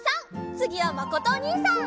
つぎはまことおにいさん！